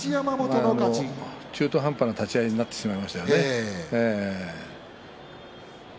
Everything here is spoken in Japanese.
中途半端な立ち合いになってしまいましたよね。